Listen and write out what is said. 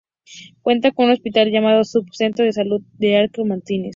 Cuenta con un hospital llamado Sub-Centro de Salud "Dr. Alejo Martínez".